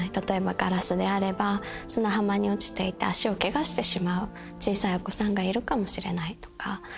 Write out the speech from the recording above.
例えばガラスであれば砂浜に落ちていて足をケガしてしまう小さいお子さんがいるかもしれないとか。